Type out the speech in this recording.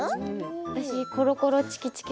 私コロコロチキチキ